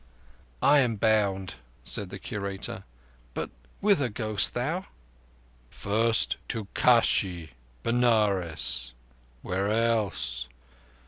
"I am bound," said the Curator. "But whither goest thou?" "First to Kashi [Benares]: where else?